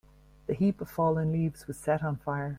The heap of fallen leaves was set on fire.